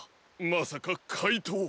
まさかかいとう！？